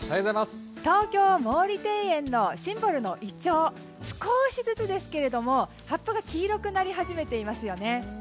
東京・毛利庭園のシンボルのイチョウ少しずつですが葉っぱが黄色くなり始めていますよね。